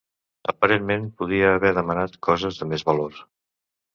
Aparentment podria haver demanat coses de més valor.